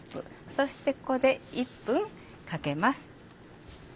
そしてここで１分かけます。